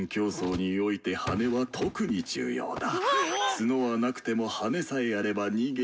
角はなくても羽さえあれば逃げ。